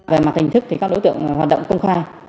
về mặt hình thức thì các đối tượng hoạt động công khai